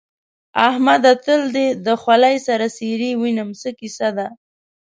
احمده! تل دې د خولۍ سر څيرې وينم؛ څه کيسه ده؟